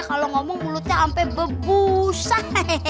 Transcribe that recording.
kalau ngomong mulutnya sampe bebusan